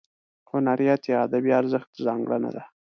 هنریت یا ادبي ارزښت ځانګړنه ده.